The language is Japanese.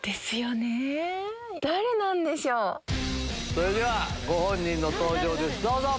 それではご本人の登場ですどうぞ！